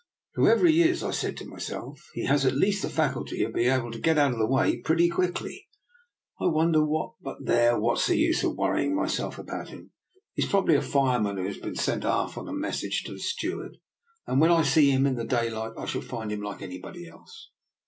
" Whoever he is," I said to myself, " he has at Jeast the faculty of being able to get out of the way pretty quickly. I wonder what — but there, what's the use of worry ing myself about him? He's probably a fire man who has been sent aft on a message to the steward, and when I see him in the day light, I shall find him like anybody else."